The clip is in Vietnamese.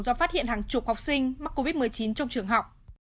do phát hiện hàng chục học sinh mắc covid một mươi chín trong trường học